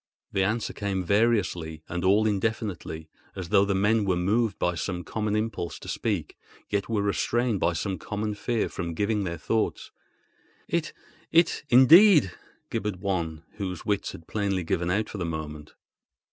The answer came variously and all indefinitely as though the men were moved by some common impulse to speak, yet were restrained by some common fear from giving their thoughts. "It—it—indeed!" gibbered one, whose wits had plainly given out for the moment.